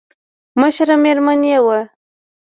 مشره مېرمن يې وه.